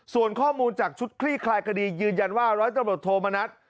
ส่วนข้อมูลจากชุดคลี่คลายคดียืนยันว่าร้อยตำรวจโทมณัฐ